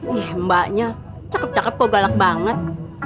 wih mbaknya cakep cakep kok galak banget